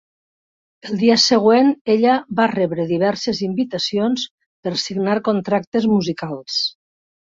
El dia següent ella va rebre diverses invitacions per signar contractes musicals.